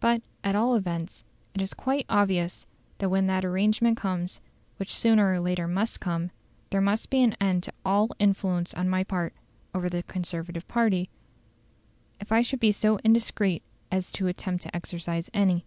"But, at all events, it is quite obvious that when that arrangement comes, which sooner or later must come, there will be an end to all influence on my part over the Conservative party, if I should be so indiscreet as to attempt to exercise any.